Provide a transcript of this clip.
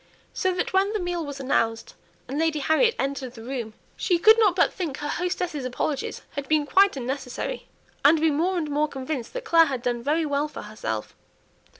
So that when the meal was announced, and Lady Harriet entered the room, she could not but think her hostess's apologies had been quite unnecessary; and be more and more convinced that Clare had done very well for herself.